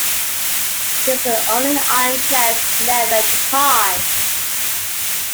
He is the only Iron Chef never to tie.